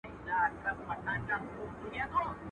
پخواني خلک شلغم په اوبو کې پخاوه.